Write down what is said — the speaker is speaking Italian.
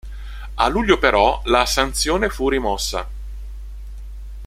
A luglio però la sanzione fu rimossa.